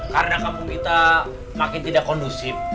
karena kampung kita makin tidak kondusif